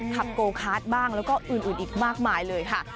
ขับโกคาร์ดบ้างแล้วก็อื่นอีกมากมายเลยค่ะ